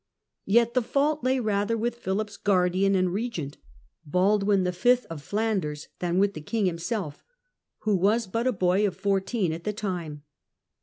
Yet the fault lay rather with Philip's guardian and regent, Baldwin V. of Flanders, than with the king himself, who was but a boy of fourteen at the time.